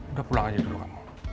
udah pulang aja dulu kan